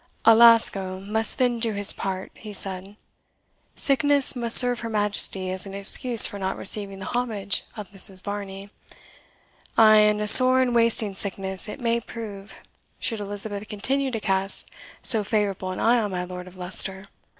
"Alasco must then do his part," he said. "Sickness must serve her Majesty as an excuse for not receiving the homage of Mrs. Varney ay, and a sore and wasting sickness it may prove, should Elizabeth continue to cast so favourable an eye on my Lord of Leicester.